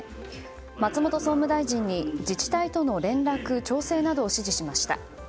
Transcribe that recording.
松本総務大臣に自治体との連絡・調整などを指示しました。